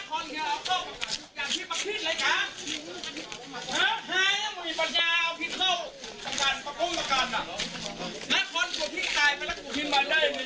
แค้นเหล็กเอาไว้บอกว่ากะจะฟาดลูกชายให้ตายเลยนะ